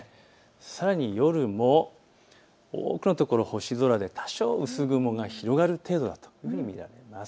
さらに夜も多くの所、星空で多少、薄雲が広がる程度というふうに見られます。